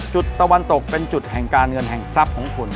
ตะวันตกเป็นจุดแห่งการเงินแห่งทรัพย์ของคุณ